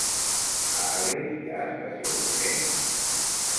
A Agres hi ha estació de tren?